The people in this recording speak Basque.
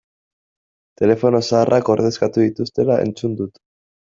Telefono zaharrak ordezkatu dituztela entzun dut.